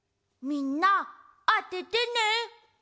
みんなあててね。